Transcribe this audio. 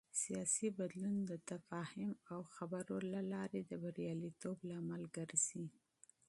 سیاسي بدلون د تفاهم او خبرو له لارې د بریالیتوب سبب ګرځي